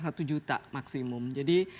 satu juta maksimum jadi